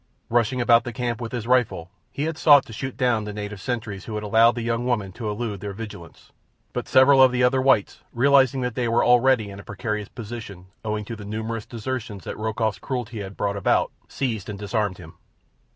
Rushing about the camp with his rifle, he had sought to shoot down the native sentries who had allowed the young woman to elude their vigilance, but several of the other whites, realizing that they were already in a precarious position owing to the numerous desertions that Rokoff's cruelty had brought about, seized and disarmed him.